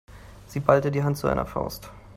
Sie ballte die Hand zu einer Faust.